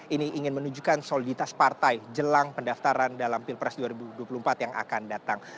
ini ingin menunjukkan soliditas partai jelang pendaftaran dalam pilpres dua ribu dua puluh empat yang akan datang